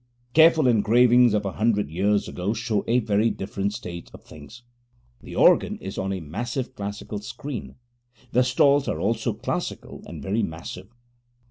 Careful engravings of a hundred years ago show a very different state of things. The organ is on a massive classical screen. The stalls are also classical and very massive.